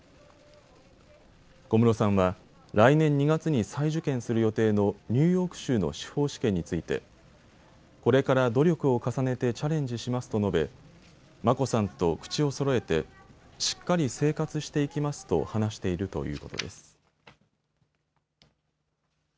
小室さんは来年２月に再受験する予定のニューヨーク州の司法試験についてこれから努力を重ねてチャレンジしますと述べ、眞子さんと口をそろえてしっかり生活していきますと話しているということです。